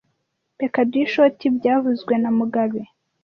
Reka duhe ishoti byavuzwe na mugabe